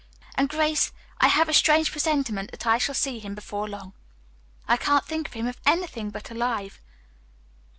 And Grace, I have a strange presentiment that I shall see him before long. I can't think of him as anything but alive.